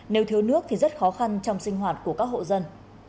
nếu thiếu nước thì rất khó khăn trong sinh hoạt của các hộ dân